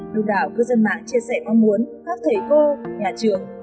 đông đảo cư dân mạng chia sẻ mong muốn các thầy cô nhà trường